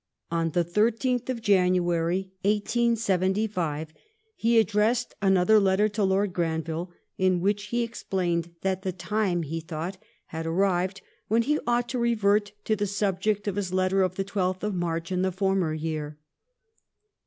On the thirteenth of January, 1875, he addressed another letter to Lord Granville, in which he explained that the time, he thought, had arrived when he ought to revert to the subject of his letter of the twelfth of March in the former year.